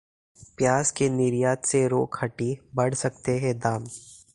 प्याज के निर्यात से रोक हटी, बढ़ सकते हैं दाम